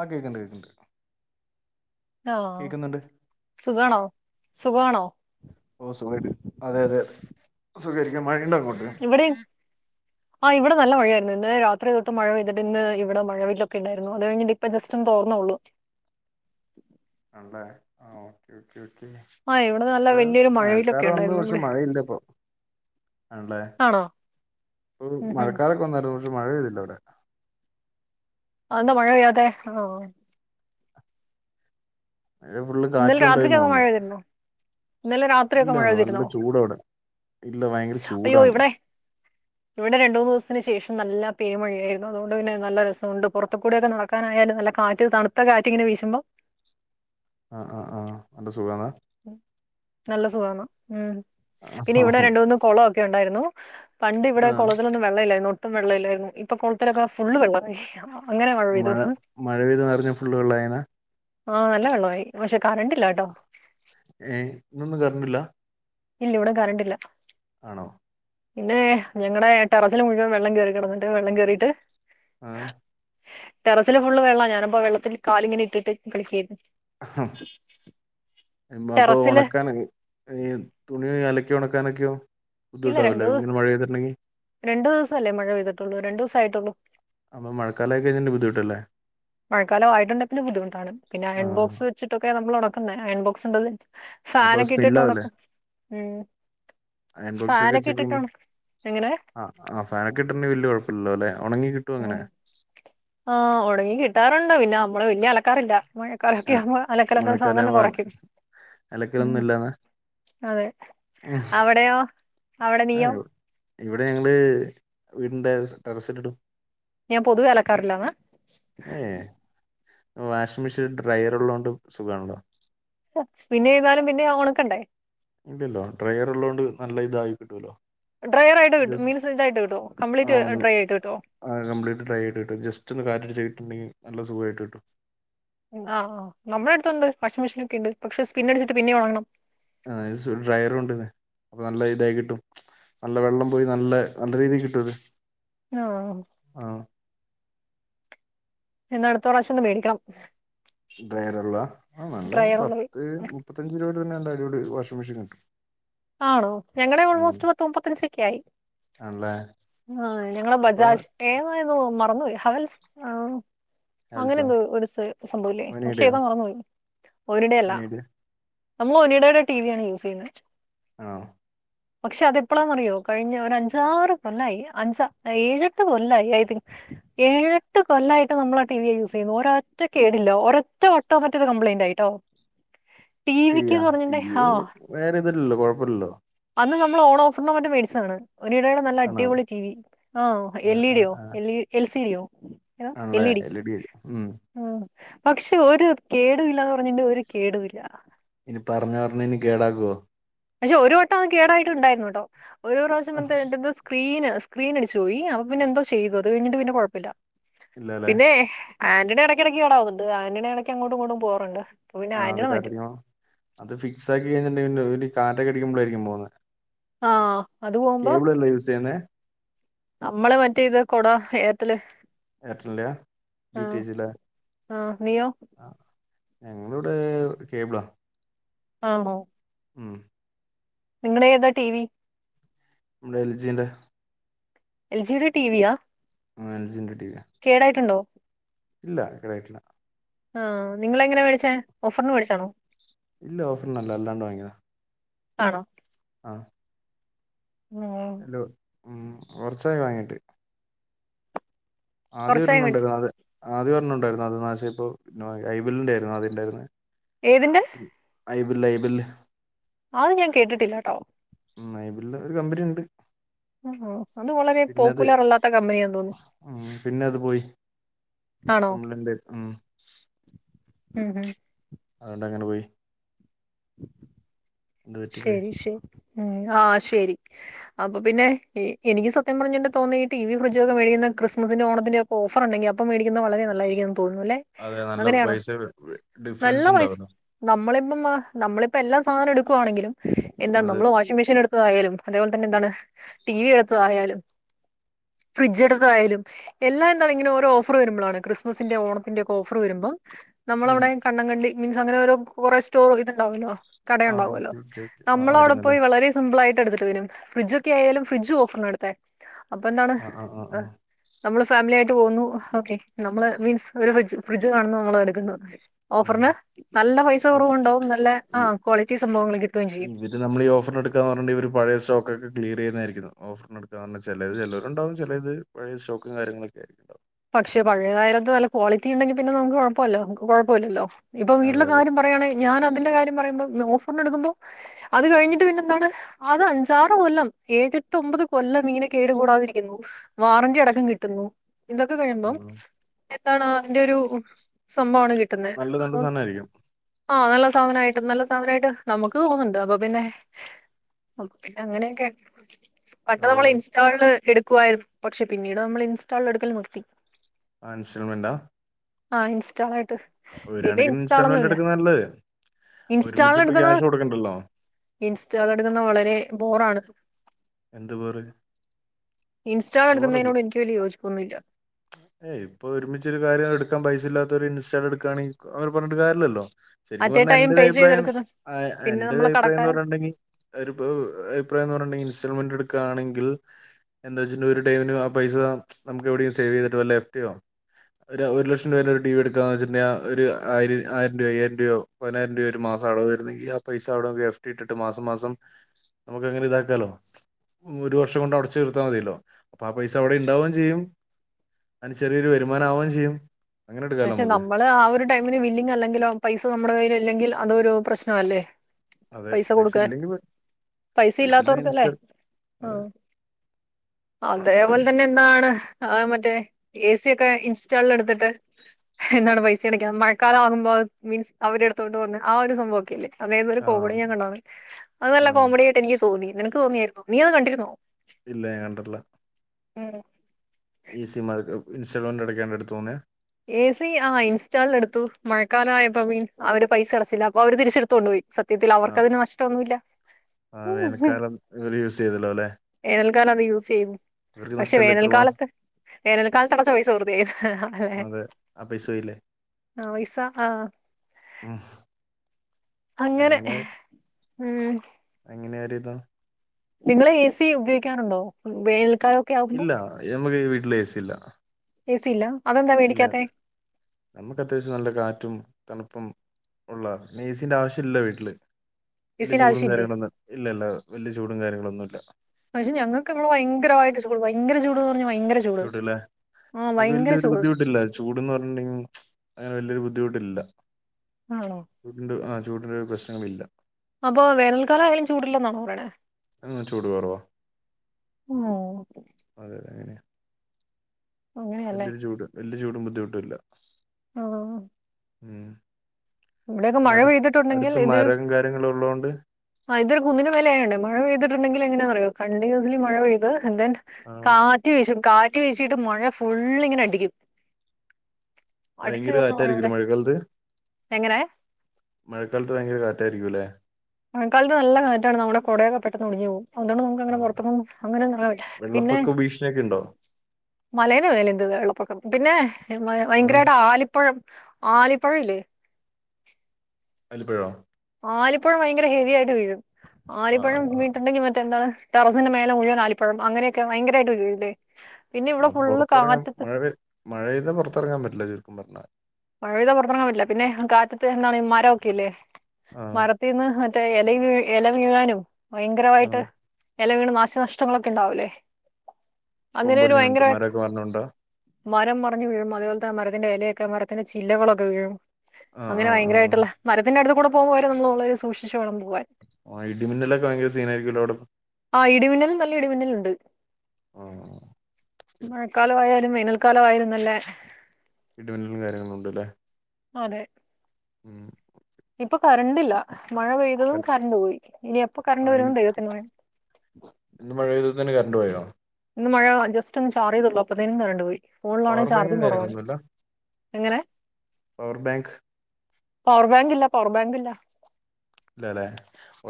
ആ കേക്കണ്ട് കേക്കണ്ട് ണോ സുഖാണോ സുഖാണോ സുഖായിരിക്കണ് മഴക്ക്ണ്ടോ അങ്ങോട്ട്‌ ഇവിടെയും ആ ഇവിടെ നല്ല മഴയായിരുന്നു ഇന്നലെ രാത്രി തൊട്ട് മഴ പെയ്തിട്ട് ഇന്ന് ഇവിടെ മഴവില്ലൊക്കെ ഇണ്ടായിരുന്നു അതു കഴിഞ്ഞിട്ട് ഇപ്പൊ ജസ്റ്റ് ഒന്ന് തോർന്നോള്ളൂ ണല്ലേ ആ ഓക്കെ ഓക്കെ ആ ഇവിടെ നല്ല ഓ [unintelligible] വലിയൊരു മഴവില്ലൊക്കെ മഴക്കാറ് വന്നു ഉണ്ടായിരുന്നു പക്ഷെ ഇവിടെ മഴയില്ലപ്പം ആണ്ല്ലേ ആണോ ഉം ഉം മഴക്കാറോക്കെ വന്നായിരുന്നു പക്ഷെ മഴ പെയ്തില്ലവിടെ അന്താ മഴ പെയ്യാത്തെ ഓ ഫുള്ള് ഇന്നലെ കാറ്റ് കൊണ്ടോയിന്നാ രാത്രിക്കൊക്കെ മഴ തോന്നേ പെയ്തിരുന്നോ ഇന്നലെ രാത്രിയൊക്കെ ഇല്ല മഴ നല്ല പെയ്തിരുന്നോ ചൂടവിടെ ഇല്ല ഭയങ്കര അയ്യോ ചൂടാണ് ഇവിടെ ഇവിടെ രണ്ടു മൂന്ന്ദിവസത്തിന് ശേഷം നല്ല പെരുമഴയായിരുന്നു അതുകൊണ്ട് പിന്നെ നല്ല രസവുണ്ട് പുറത്തുകൂടൊക്കെ നടക്കാനായാലും നല്ല കാറ്റ് തണുത്ത കാറ്റ് ഇങ്ങനെ വീശുമ്പം ആ ആ ആ നല്ല സുഖാന്ന് നല്ല സുഖമാണ് മ് പിന്നെ ഇവിടെ രണ്ടൂന്ന് കൊളം ക്കെ ഒണ്ടായിരുന്നു പണ്ട് ഇവിടെ ആഹ് കൊളത്തിലൊന്നും വെള്ളലായിന് ട്ടും വെള്ളല്ലായിര്ന്ന് ഇപ്പൊ കൊള്ത്തിലൊക്കെ ഫുള്ള് വെള്ളായി മഴ മഴ പെയ്തുനെറഞ്ഞ ഫുള്ളുവെള്ളായിനാ ആഹ് നല്ല വെള്ള്വായി പക്ഷെ കരണ്ടില്ലാ ട്ടോ ഏയ് ഇന്നൊന്നും കറണ്ടില്ല ഇല്ല ഇവിടെ കറണ്ടില്ല ആണോ? പിന്നെ ഞങ്ങടെ ടെറസിൽ മുഴുവൻ വെള്ളം കേറി കെടന്നിട്ട് വെള്ളം കേറിട്ട്- ആഹ് ടെറസില് ഫുള്ള് വെള്ളാ ഞാനിപ്പം വെള്ളത്തിൽ കാലിങ്ങനെട്ടിട്ട് കളിക്കുവായിരുന്നു ഉഹും ടെറസില് ഉണക്കാൻ [unintelligible] തുണീ അലക്കി ഒണക്കാനെക്കെയോ? ബുദ്ധമുട്ടാവില്ലേ ഇങ്ങനെ മഴ പെയ്തിട്ടുണ്ടെങ്കിൽ രണ്ടുദിവസമല്ലേ മഴ പെയ്തിട്ടുള്ളു, രണ്ട് ദിവസം ആയിട്ടുള്ളു അപ്പ മഴക്കാലായി കഴിഞ്ഞാൽ ബുദ്ധിമുട്ടല്ലേ? മഴക്കാലവായിട്ടുന്നെങ്കിൽ പിന്നെ ബുദ്ധിമുട്ടാണ്. പിന്നെ അയൺ ആഹ് ബോക്സ് വച്ചിട്ടൊക്കെ നമ്മള്ഉണക്കും പിന്നെ അയൺ ബോക്സ് ഉള്ളത് അപ്പൊ ഫാനൊക്കെ ഇട്ടിട്ട് സ്മെല്ലാവൂല്ലേ ഒണക്കും അയൺ ബോക്സ് ഒക്കെ വെച്ചേക്കുമ്പോ എങ്ങനെ? ഇന്ന് വലിയ കൊഴപ്പയില്ലല്ലോ അല്ലെ ഉണങ്ങി കിട്ടും അങ്ങനെ ഉം ആഹ് ഒണങ്ങി കിട്ടാറുണ്ട് പിന്നെ നമ്മള് പിന്നെ അലക്ക് [unintelligible] ക്കാറില്ല മഴക്കാലൊക്കെ ആഹ് ആവുമ്പോൾ അലക്കലൊക്കെ സാധാരണ മഴക്കാലാവുമ്പോ കൊറയയ്ക്കും ഉം അലക്കലൊന്നും ഇല്ലാന്നാ അതെ, ഉം അവിടയ്യോ അവടെയോ? [unintelligible] ഇവിടെ ഉണ്ട് വീടിന്റെ ടെറസില് ഇടും. ഞാൻ പൊതുവെ അലക്കാറില്ലാന്ന് ആ ഏഹ് വാഷിംഗ് മെഷീൻ ഡ്രയർ ഉള്ളോണ്ട് സുഖാണല്ലോ പിന്നെ പെയ്താലും പിന്നെ ഒണക്കണ്ടേ? ഇല്ലല്ലോ ഡ്രയർ ഉള്ളോണ്ട് നല്ല ഇതായി കിട്ടോലോ ഡ്രയർ ആയിട്ട് കിട്ടും ജസ്റ്റ്‌ മീൻസ് ഇതായിട്ട് കിട്ടോ കംപ്ലീറ്റ് ഒന്ന് ഡ്രൈ ആയിട്ട് കിട്ടോ കംപ്ലീറ്റ് ഡ്രൈ ആയിട്ട് കിട്ടും ജസ്റ്റ് ഒന്ന് കാറ്റടിച്ച നല്ല സുഖായിട്ട് കിട്ടും. ആഹ് ആ നമ്മളടുത്തുണ്ട് വാഷിംഗ് മെഷീൻ ഒക്കെണ്ട് പക്ഷെ സ്പിൻ അടിച്ചിട്ട് പിന്നിം ഒണങ്ങണം. ആ [unintelligible] ഡ്രയറും ഉണ്ട്. അപ്പൊ നല്ല ഇതായി കിട്ടും നല്ല വെള്ളം പോയി നല്ല നല്ല രീതി കിട്ടും ഇത് ആ ആഹ് എന്നാ അടുത്ത പ്രാശ്യന്ന് മേടിക്കണം ഡ്രൈയറുള്ള ആ നല്ല ഡ്രയറുള്ളത് പത്ത് മുപ്പത്തഞ്ച് രൂപയുടെ തന്നെല്ലായി ഇവിടെ വാഷിംഗ് മെഷീൻ കിട്ടും ആണോ ഞങ്ങടെ ഉം ഓൾമോസ്റ്റ് പത്ത് മുപ്പത്തഞ്ചൊക്കെയായി ആണല്ലേ ആ ഞങ്ങള് അപ്പൊ ബജാജ് ഏതായിരുന്നു മറന്ന് പോയി ഹവൽസ് അങ്ങനെ ഹാവൽസോ എന്തോ ഒര് സേ ഒരു സംഭവവില്ലേ പക്ഷെ അവനീടെയോ അത് മറന്നുപ്പോയി അവനീടെ നമ്മള് ഒനിടെടെ ടിവിയാണ് യൂസ് ചെയ്യുന്നേ ആണോ പക്ഷെ അതെപ്പോളാന്ന് അറിയോ കഴിഞ്ഞ ഒരു അഞ്ചാറ് കൊല്ലയ് അൻസ ഏഴെട്ട് കൊല്ലയ് ഐ തിങ്ക് ഏഴെട്ട് കൊല്ലയ്ട്ട് നമ്മള് ആ ടിവിയാ യൂസ് ചെയ്യുന്നേ ഒരൊറ്റ കേടില്ല ഒരൊറ്റ ഓട്ടോമാറ്റിക്ക് കംപ്ലൈന്റ് ആയിട്ടോ ടി വിക്ക് കറഞ്ഞണ്ടേ ഹ ഇല്ലോ കൊഴപ്പവില്ലല്ലോ അന്ന് നമ്മള് ഓണോഫറിനോ മറ്റോ മേടിച്ചതാണ് ഒനിടെടെ നല്ല ആണോ അടിപൊളി ടി വി ആ ആഹ് എൽ ഇ ആഹ് ഡിയോ ആഹ് എൽ എൽ സി ഡിയോ? [unintelligible] ആണല്ലേ എൽ ഇ ഡി ഉം പക്ഷെ ഒരു കേടുയില്ലാന്ന് പറയുമ്പം ഇന്റെ ഒരു കേടൂല്ല പറഞ്ഞാടനെ ഇനി കേടാക്കുവോ? പക്ഷെ ഒരു വട്ടം അത് കേടായിട്ടുണ്ടായിരുന്നുട്ടോ ഒര് പ്രാവശ്യം വന്ത് അയിന്റെന്തോ സ്ക്രീന് സ്ക്രീനടിച്ച് പോയി അപ്പ പിന്നെ എന്തോ ചെയ്തത് അത് കഴിഞ്ഞിട്ട് പിന്നെ കൊഴപ്പയില്ല ഇല്ലല്ലേ പിന്നെ ആന്റണിയെ ഇടക്കിടക്കിടയ്ക്ക് കാണാവുന്നുണ്ട് ആന്റണി ഇടക്ക് അങ്ങോട്ടും ഇങ്ങോട്ടും പോകാറൊണ്ട് ആ അത് കരഞ്ഞോ? അത് ഫിക്സ് ആക്കി കഴിഞ്ഞെണ്ടെങ്കില് [unintelligible] കാറ്റക്കെയടിക്കുമ്പോളായിരിക്കും പോന്നെ ആ അത് പോവുമ്പ യൂസ് ചെയ്യുന്നേ നമ്മള് മറ്റേ ഇത് കൊട ഏർറ്റെല് ഏട്ടർല്ല ഡിറ്റേജില ആ നീയോ ആ ഞങ്ങളിവിടെ കേബിളാ ആ ആ ഉം നിങ്ങടെ ഏതാ ടി വി നമ്മുടെ എൽജിന്റെ L G D T V യാ? ആ എൽ ജിന്റെ കേടായിട്ടൊണ്ടോ? ഇല്ല കോടായിട്ടില്ല ആ നിങ്ങളെങ്ങനാ മേടിച്ചേ ഓഫറിന് മേടിച്ചാണോ ഇല്ല ഓഫറിനല്ല അല്ലാണ്ട് വാങ്ങിതാ ആണോ? ആഹ് [unintelligible] ഉം കൊറച്ചായി വാങ്ങീട്ട് ആദ്യ കുറച്ചായി മേടിച്ചു [unintelligible] ആദ്യരോണ്ണം ണ്ടായിരുന്നു അത് നാഷായിപ്പോ ഐ ബെൽന്റെ ആയിരുന്നു ആദ്യം ഇണ്ടായിരുന്നെ. ഏതിന്റെ? ഐ ബിൽ ഐ ബിൽ അത് ഞാൻ കേട്ടിട്ടില്ല ട്ടോ ഐ ബിൽന്റെ ഒരു കമ്പനി ഉണ്ട് ആ അത് വളരെ പിന്നെ അത് പോപ്പുലർ അല്ലാത്ത കമ്പനിയാന്ന് തോന്നുന്നു ഉം പിന്നെ അത് പോയി ആണോ കംപ്ലൈന്റ് ആയി. ഉം ഉം ഹും അതുകൊണ്ട് അങ്ങനെ പോയി എന്ത് പറ്റിപ്പോയി ശരി ശെ ഉ ആഹ് ശരി അപ്പൊ പിന്നെ എനിക്ക് സത്യം പറഞ്ഞിട്ട് തോന്നി ടി വി ഫ്രിഡ്ജ് ഒക്കെ മേടിക്കുന്ന ക്രിസ്മസിന്റെ ഓണത്തിന്റെ ഒക്കെ ഓഫർ ഉണ്ടെങ്കി അപ്പ മേിക്കുന്ന വളരെ നല്ലായിരിക്കും തോന്നുലെ അതെ നല്ല അങ്ങനെയാണോ പൈസ നല്ല ഡിഫറൻസ് പൈസ ഉണ്ടാവല്ലോ നമ്മളിപ്പം നമ്മളിപ്പ എല്ലാം [unintelligible] ക്കുവാണെങ്കിലും എന്താണ് അതെ നമ്മള് വാഷിംഗ് മെഷീൻ എടുത്തതായാലും അതേപോലെ തന്നെ എന്താണ് ടി വി എടുത്തതായാലും ഫ്രിഡ്ജ് എടുത്തായാലും എല്ലാം എന്താണിങ്ങനെ ഓരോ ഓഫർ വരുമ്പളാണ് ക്രിസ്മസിന്റെ ഓണത്തിന്റെ ഒക്കെ ഓഫർ വരുമ്പോ ഉം നമ്മളവടെ കണ്ണങ്കണ്ടി മീൻസ് അങ്ങനെ ഒരോ കൊറെ സ്റ്റോർ ഇതുണ്ടാവുല്ലോ ആ കടയുണ്ടാവുവ ഓക്കെ ഓക്കെ ഓക്കെ ആ നമ്മളവിടെ അവിടന്നല്ലേ പോയി വളരെ സം മ്പളായിട്ട് എട്ത്തിട്ട് വരും ഫ്രഡ്ജ് ഒക്കെ ആയാലും ഫ്രിഡ്ജ് ഓഫർനാ എട്ത്തെ അപ്പൊന്താണ് ആഹ് ആഹ് ആഹ് ആഹ് നമ്മള് ഫാമിലിയായിട്ട് പോകുന്നു ഓക്കെ നമ്മള് മീൻസ് ഒരു ഫ്രിജ് ഫ്രിഡ്ജ് കാണുന്നു നമ്മളതെടുക്കുന്നു ഉം ഓഫറിന് നല്ല പൈസ ഓഫർ കുറവുണ്ടാവും നല്ല ഈ ആഹ് ക്വാളിറ്റി സംഭവങ്ങൾ കിട്ടുകയും ചെയ്യും ഇവര് നമ്മളീ ഓഫറിന് എടുക്കാന്ന് പറഞ്ണ്ടേൽ ഇവര് പഴയ സ്റ്റോക്കൊക്കെ ക്ലിയറ് ചെയ്യുന്നായിരിക്കും ഓഫറിന് എട്ക്കാ പറഞ്ഞാ ചിലത് ചെലോരുണ്ടാവും ചെലേത് പഴയ സ്റ്റോക്കും കാര്യങ്ങളൊക്കെയിരിക്കും ഉണ്ടാവ പക്ഷെ പഴയതായലെന്താ നല്ല ക്വാളിറ്റി ഉണ്ടെങ്കി പിന്നെ നമുക്ക് കുഴപ്പല്ലോ നമുക്ക് കുഴപ്പമില്ലല്ലോ ഇപ്പൊ അതെ വീട്ടില് അതെ കാര്യം പറയാണെങ്കി ഞാന തിന്റെ കാര്യം പറയുമ്പോ ഓഫറിനെടുക്കുമ്പോ അത് കഴിഞ്ഞിട്ട് പിന്നെ എന്താണ് അത് അഞ്ചാറ് കൊല്ലം ഏഴെട്ട് ഒമ്പത് കൊല്ലം ഇങ്ങനെ കേട് കൂടാതിരിക്കുന്നു വാറണ്ടി അടക്കം കിട്ടുന്നു ഇന്തൊക്കെ കയ്യുമ്പം ഉം [unintelligible] അതിന്റെ ഒരു സംഭവമാണ് കിട്ടുന്നെ നല്ല നല്ല അതൊ സാധനായിരിക്കും ആഹ് നല്ല സാധനായിട്ട് നല്ല സാധനായിട്ട് നമ്മുക്ക് തോന്നുന്നുണ്ട് അപ്പൊ പിന്നെ പിന്നെ അങ്ങനെയൊക്കെ പണ്ട് അതെ നമ്മൾ അതെ ഇൻസ്റ്റാൾ എട് പക്ഷെ പിന്നീട് നമ്മള് ഇൻസ്റ്റാള് എട് ക്കല് നിർത്തി ആ ഇൻസ്റ്റാൾമെന്റാ ആ ഇൻസ്റ്റാൾ ആയിട്ട് ഒരു ഇത് കണക്കിന് ഇൻസ്റ്റാളൊന്നും ഇൻസ്റ്റാൾമെന്റ് അല്ല എടുക്കുന്ന നല്ലത് ഒരുമിച്ച് ഇൻസ്റ്റാള് ഇപ്പോ എടുക്കുന്നെ ക്യാഷ് കൊടുക്കണ്ടല്ലോ ഇൻസ്റ്റാള് എടുക്കുന്നെ വളരെ ബോറാണ് എന്തു ബോറ് ഇൻസ്റ്റാള് ബോറല്ലേ എടുക്കുന്നതിനോട് എനിക്ക് വലിയ യോജി പ്പൊന്നുമില്ല ഏയ് ഇപ്പൊ ഒരുമിച്ചൊരു കാര്യം എടുക്കാൻ പൈസ ഇല്ലാത്തൊരു ഇൻസ്റ്റാള് എടുക്കാണെങ്കി അവരെ പറഞ്ഞിട്ട് കാര്യമില്ലല്ലോ ശരിക്കും അറ്റ് എ പറഞ്ഞാൽ ടൈം എന്റെ ഒരു പേ അഭിപ്രായം ചെയ്തെടുക്കുന്ന പിന്നെ എന്റെ ഒരു നമ്മൾ അഭിപ്രായമെന്ന് കടക്കാരൻ പറഞ്ഞിട്ടുണ്ടെങ്കിൽ തിപ്പോ ഒരു അഭിപ്രായമെന്ന് പറഞ്ഞിട്ടുണ്ടെങ്കിൽ ഇൻസ്റ്റാൾമെന്റ് എടു ക്കാണെങ്കിൽ എന്താച്ച ഒരു ടൈമിന് ആ പൈസ നമക്ക് എവിടെ സേവ് ചെയ് ലെഫ്റ്റ് ഒര് ഒരു ലക്ഷം രൂപ ഒരു ടിവി എടുക്കാന്ന് വച്ചിട്ടുണ്ടെങ്കിൽ ഒരു ആയിരം ആയിരം രൂപയൊ അയ്യായിരം രൂപയൊ പതിനായിരം രൂപയൊ ഒരു മാസം അടവ് വരുന്നെങ്കില് ആ പൈസ അവിടെ എഫ് ടി ഇട്ടിട്ട് മാസം മാസം നമക്ക് അങ്ങനെ ഇതാക്കാലോ ഒരു വർഷം കൊണ്ട് അടച്ച് തീർത്താൽ മതിയല്ലോ അപ്പൊ ആ പൈസ അവിടെ ഉണ്ടാവുകയും ചെയ്യും അതിന് ചെറിയൊരു വരുമാനം ആവുകയും ചെയ്യും അങ്ങനെ എടുക്കാലോ പക്ഷെ നമുക്ക് നമ്മള് ആ ഒരു ടൈമിന് വില്ലിങ്‌ അല്ലെങ്കിലോ പൈസ നമ്മടെ കയ്യില് ഇല്ലെങ്കിലോ അതൊരു പ്രശ്നം അല്ലേ അതെ പൈസ കൊടുക്കാൻ ഇല്ലെങ്കിൽ പൈസ ഇല്ല ഇല്ലാത്തവർക്കല്ലേ ഇൻസ്റ്റ ആ അതെ അതേപോലെ തന്നെ എന്താണ് ആ മറ്റേ ഏ സി ഒക്കെ ഇൻസ്റ്റാൾ എടുത്തിട്ട് എന്താണ് പൈസ അടക്കാ മഴക്കാലം ആകുമ്പോ മീൻസ് അവര് അടുത്തോണ്ട് വന്ന് ആ ഒരു സംഭവം ഒക്കെയില്ലേ അതേതൊരു ആ കോമഡി ഞാൻ കണ്ടാണ് അത് ആ നല്ല കോമഡി ആയിട്ട് എനിക്ക് തോന്നി നിനക്ക് തോന്നിയാരുന്നോ നീ അത് കണ്ടിരുന്നോ ഇല്ല ഞാൻ കണ്ടിട്ടില്ല ഉം ഈ സി ഇൻസ്റ്റാൾമെന്റ് അടക്കേണ്ടെടുത്തൂന്ന് എ സി ആ ഇൻസ്റ്റാൾ എടുത്തു മഴക്കാലം ആയപ്പോ അവര് പൈസ അടച്ചില്ല അപ്പൊ അവര് തിരിച്ചെടുത്തോണ്ട് പോയി സത്യത്തിൽ ആ അവർക്കതിന് നഷ്ടം ഒന്നുല്ല ആ, വേനൽക്കാലം ഇവർ യൂസ് ചെയ്തല്ലോ അല്ലെ [unintelligible] യൂസ് ചെയ്യുന്നേ ഇവർക്ക് പക്ഷെ നഷ്ടമല്ലേ എത്ര മാസം വേനൽക്കാലത്ത് വേനൽക്കാലത്ത് അടച്ച പൈസ വെറുതെയായി അല്ലെ അതെ ആ പൈസോയില്ലേ ആ പൈസ ആ മ്മ് അങ്ങനെ ഉം അങ്ങനെയരുതാ നിങ്ങള് എ സി ഉപയോഗിക്കാറുണ്ടോ വേനൽ ഇല്ല എമക്ക് വീ എ സി ഇല്ല എ സി ഇല്ലാ ഇല്ല നമ്മക്ക് അത്യാവശ്യം നല്ല കാറ്റും തണുപ്പും ഉള്ളാ പിന്നേസീന്റെ ആവശ്യില്ല വീട്ടില് എ വല്യ സീന്റെ ചൂടും ആവശ്യല്ലേ? കാര്യങ്ങളൊന്നും ഇല്ലലോ വല്യ ചൂടും കാര്യങ്ങളൊന്നുല്ല ഭയര ചൂട് എന്ന് പറഞ്ഞ ഭയങ്ക ചൂട്ല്ലെ മ്മക്ക് വല്യരു ചൂട് ബുദ്ധിമുട്ടില്ല ചൂട്ന്ന് പർഞ്ഞ്ണ്ടങ്കിഅങ്ങനെ വലിയൊരു ബുദ്ധിമുട്ടില്ല ആണോ ഉണ്ട് ആ ചൂടിന്റെ ഒരു പ്രശ്നമില്ല അപ്പൊ വേനൽക്കാലം ആയാലും ചൂടി ല്ലെന്നാണോ പറയ്‌ണേ അ ചൂട്കൊറവ ഓഹ് അതെ ങ്ങനെയ അങ്ങനെയല്ലേ വല്യോരു ചൂട് വല്യ ചൂടും ബുദ്ധിമുട്ടുല്ല ങാ ഉം ഇവിടെയൊക്കെ മഴ അടു പെയ്തിട്ടുണ്ടെങ്കിൽ അടുത്ത് ഇത് മരം കാര്യങ്ങളും ഉള്ളതുകൊണ്ട് അ ഇതൊരു കുന്നിന്റെ മേലെ ആയണ്ടേ മഴ പെയ്തിട്ടുണ്ടെങ്കിൽ എങ്ങനെയാ അറിയോ? കണ്ടിന്യൂസിലി മഴ പെയ്ത് [unintelligible] ആ കാറ്റ് വീശും കാ റ്റ് വീശീട്ട് മഴ ഫുള്ള്ങ്ങനെ അടിക്കും അടിച്ച് ഭയങ്കര കേറുന്ന മഴ പോലെ കാറ്റായിരിക്കുല്ലേ മഴക്കാലത്ത് എങ്ങനെ മഴക്കാലത്ത് ഭയങ്കര കാറ്റായിരിക്കുംല്ലേ മഴക്കാലത്ത് നല്ല കാറ്റാ ണ് നമ്മുടെ കൊടെയക്കെ പെട്ടെന്ന് ഒടിഞ്ഞു പോവും അതോണ്ട് നമുക്ക് അങ്ങനെ ആ പുറത്ത് ക്കൊന്നും അങ്ങനെ [unintelligible] പിന്നെ വെള്ളപ്പൊക്ക ഭീഷണിയൊക്കെ ഉണ്ടോ മലേടെ മേലെന്തോന്ന് വെള്ളപ്പൊക്കം പിന്നെ മയ ആ വയങ്കരായിട്ട് ആലിപ്പഴം ആലിപ്പഴല്ലേ അലിപ്പഴോ ആലിപ്പഴം വയങ്കര ഹെവി ആയിട്ട് വീഴും ആ ആലിപ്പഴം ആ ആ വീണ് ട്ട്ണ്ടെങ്കി മറ്റേ എന്താണ് ടെറസിൻ്റെ മേലെ മുഴുവൻ ആലിപ്പഴം അങ്ങനെയൊക്കെ വയങ്കരായിട്ട് വീഴൂലേ ആ പൊറത്തെറങ്ങാൻ മഴപെയ് മഴെയ്ത പൊറത്തറങ്ങാൻ പറ്റില്ല ചുരുക്കം പറഞ്ഞാ മഴെയ്ത പൊറത്തെറങ്ങാൻ പറ്റില്ല പിന്നെ കാറ്റത്ത് എന്താണ് മരൊക്കെയില്ലേ ആ മരത്തീന്ന് മ റ്റേ എലയ് വീ എല വീഴാനും ആ ഭയങ്കരാവായിട്ട് എല വീണ് നാശനഷ്ടങ്ങളൊക്കെ ഇണ്ടാവൂല്ലേ അങ്ങനെരു കൊമ്പടിഞ്ഞുണ്ട് വയങ്കരവായി മരമൊക്കെ പറഞ്ഞുകൊണ്ടാ മരം മറിഞ്ഞു വീഴും അതേപോലത്തെ മരത്തിന്റെ എലയെ എമറ് പിന്നെ ചില്ലകളൊക്കെ വീഴും ആ അങ്ങനെ ആ ആ വയങ്കരായിട്ട്ള്ള മരത്തിന്റെ അടുത്ത് കൂടെ ഇപ്പൊ വരുവന്നുള്ളേൽ സൂക്ഷിച്ചു വേണം പുവ്വാൻ ആഹ് ഇടിമിന്നലൊക്കെ വയങ്കര സീനായിരിക്കൂല്ലോ അവിടെ ആഹ് ഇടിമിന്നലും നല്ല ഇടിമിന്നല്ണ്ട് ആഹ് മഴക്കാലമായാ വേനൽക്കാലം ആയിരുന്നല്ലേ ഇടിമിന്നലും കാര്യങ്ങളും ഉണ്ട്ല്ലെ ആതെ ഉം ഇപ്പൊ കറണ്ടില്ല മഴ പെയ്തതും കറണ്ട് പോയി ഇനി എപ്പൊ കറണ്ട് ആഹ് വരുന്ന് ദൈഹത്തിനറി ണ്ട് പോയോ ഇന്ന് മഴ ജസ്റ്റ് ഒന്ന് ചാറിയതൊള്ളൂ അപ്പോതേനു കരണ്ടു പോയി പവർ ഫോണിലാണെങ്കിൽ ബാങ്കും ചാർജും കുറവാണ് കാര്യങ്ങളൊന്നുല്ല എങ്ങനെ പവർ ബാങ്ക് പവർ ബാങ്ക് ഇല്ല പവർ ബാങ്ക് ഇല്ല അല്ലല്ലെ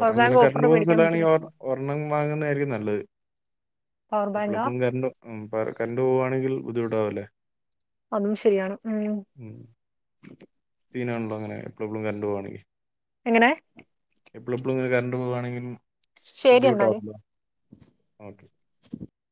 പവർ ബാങ്ക് കറണ്ട് ഓഫറിൽ പോകുന്ന മേടിക്കാൻ സ്ഥലമാണ് പറ്റില്ല ഒരെണ്ണം വാങ്ങുന്നതായിരിക്കും നല്ലത് പവർ ബാങ്കാ എപ്പളെപ്പോഴും കറണ്ട് കറണ്ട്റ പോ കാണെങ്കിൽ ബുദ്ധിമുട്ടാവുല്ലേ അതും ശരിയാണ് ഉം സിനാണല്ലോ അങ്ങനെ പ്പളെപ്പളും കറണ്ട് പോവാണങ്കിൽ എങ്ങനെ എപ്പോളഎപ്പളുംങ്ങനെ കറണ്ട് പോകുകണങ്കി ശരി എന്നാല് ഓക്കെ